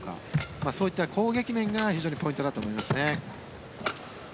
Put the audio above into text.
そういった攻撃面が非常にポイントだと思いますね。